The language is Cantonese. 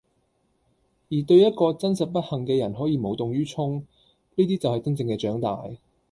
而對一個真實不幸嘅人可以無動於衷，呢啲就係真正嘅長大。